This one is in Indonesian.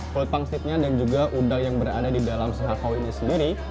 kulit pangsitnya dan juga udang yang berada di dalam si harvao ini sendiri